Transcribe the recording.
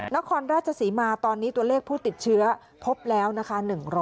นครราชศรีมาตอนนี้ตัวเลขผู้ติดเชื้อพบแล้วนะคะ